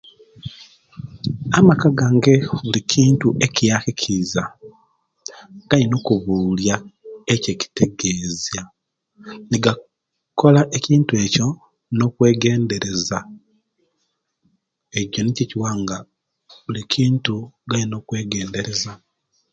Amaka gange buli kintu ekiyaka ekiza gayina okubuliya ekikitegzya negakola ekintu ekiyo nokwegendereza ekiyo nikiyo ekiwa nga bulikintu galina okwegendereza